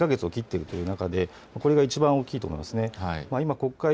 ２か月を切っているという中でこれがいちばん大きいと思います。